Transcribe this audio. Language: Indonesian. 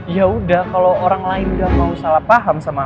yaudah kalo orang lain udah mau salah paham sama